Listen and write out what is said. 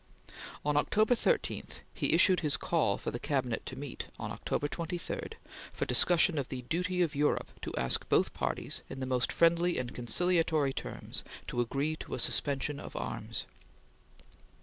On October 13, he issued his call for the Cabinet to meet, on October 23, for discussion of the "duty of Europe to ask both parties, in the most friendly and conciliatory terms, to agree to a suspension of arms."